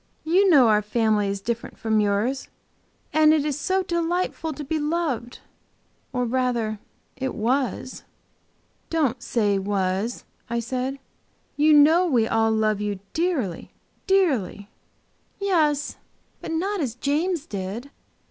You know our family is different from yours. And it is so delightful to be loved. Or rather it was!" "Don't say was," I said. "You know we all love you dearly, dearly" "Yes, but not as James did!"